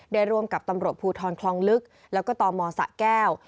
ร่วมกับตำรวจภูทรคลองลึกแล้วก็ตมสะแก้ว